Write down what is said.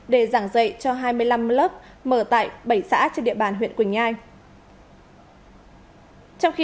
để giảng dạy cho hai mươi năm lớp mở tại bảy xã trên địa bàn huyện quỳnh nhai